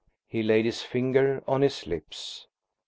He laid his finger on his lips.